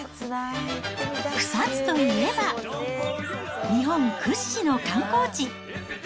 草津といえば、日本屈指の観光地。